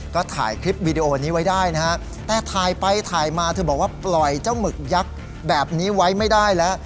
ก็ถ่ายคลิปวิดีโอนี้ไว้ได้นะฮะแต่ถ่ายไปถ่ายมาเธอบอกว่าปล่อยเจ้าหมึกยักษ์แบบนี้ไว้ไม่ได้แล้ว